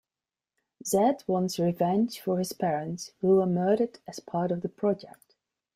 Zed wants revenge for his parents, who were murdered as part of the project.